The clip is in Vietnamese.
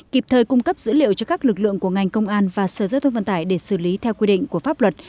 kịp thời cung cấp dữ liệu cho các lực lượng của ngành công an và sở giao thông vận tải để xử lý theo quy định của pháp luật